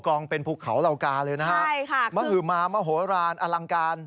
ก้องเป็นพูดเขาเหลวกาเลยนะครับมหราโหลานอลังการ